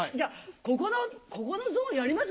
ここのゾーンやります？